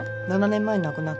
７年前に亡くなってる。